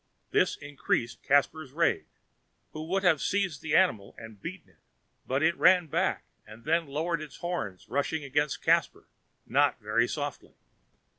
This increased Caspar's rage, who would have seized the animal and beaten it; but it ran back, and then lowering its horns rushed against Caspar, not very softly.